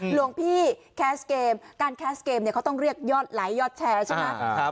หลวงพี่แคสเกมการแคสเกมเนี่ยเขาต้องเรียกยอดไลค์ยอดแชร์ใช่ไหม